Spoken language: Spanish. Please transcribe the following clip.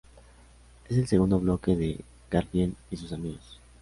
Es el segundo bloque de Garfield y sus amigos.